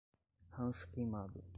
Rancho Queimado